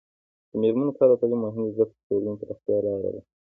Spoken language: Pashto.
د میرمنو کار او تعلیم مهم دی ځکه چې ټولنې پراختیا لاره ده.